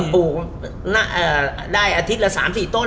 ปลูกได้อาทิตย์ละ๓๔ต้น